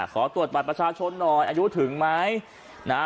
ขอตรวจบัตรประชาชนหน่อยอายุถึงไหมนะฮะ